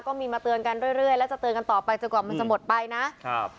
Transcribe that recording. ก็มีมาเตือนกันเรื่อยเรื่อยแล้วจะเตือนกันต่อไปจนกว่ามันจะหมดไปนะครับ